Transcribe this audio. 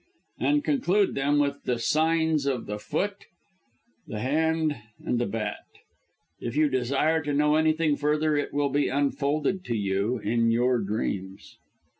And conclude them with the signs of the foot, the hand and the bat. If you desire to know anything further it will be unfolded to you in your dreams."